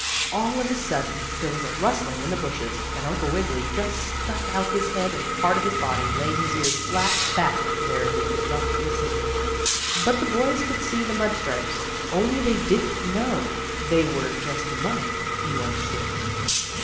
All of a sudden there was a rustling in the bushes, and Uncle Wiggily just stuck out his head and part of his body, laying his ears flat back where they could not be seen. But the boys could see the mud stripes, only they didn't know they were just mud, you understand.